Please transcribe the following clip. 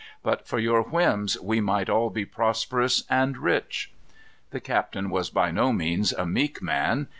But for your whims we might all be prosperous and rich." The captain was by no means a meek man.